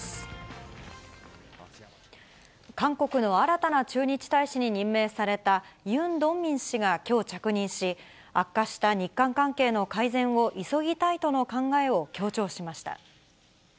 韓国の新たな駐日大使に任命された、ユン・ドンミン氏がきょう着任し、悪化した日韓関係の改善を急ぎたいとの考えを強調しました。